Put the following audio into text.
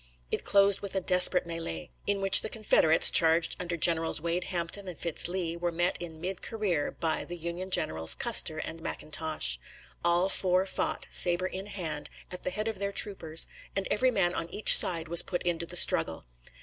It closed with a desperate melee, in which the Confederates, charged under Generals Wade Hampton and Fitz Lee, were met in mid career by the Union generals Custer and McIntosh. All four fought, saber in hand, at the head of their troopers, and every man on each side was put into the struggle.